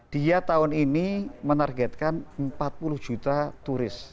dia tahun ini menargetkan empat puluh juta turis